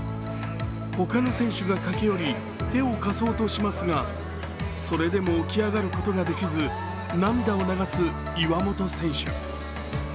他の選手が駆け寄り、手を貸そうとしますがそれでも起き上がることができず、涙を流す岩本選手。